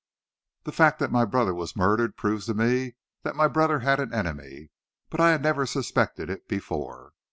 The fact that my brother was murdered, proves to me that my brother had an enemy, but I had never suspected it before."